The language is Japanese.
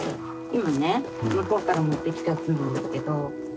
今ね向こうから持ってきたやつなんだけど。